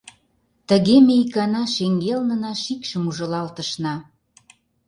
Тыге ме икана шеҥгелнына шикшым ужылалтышна.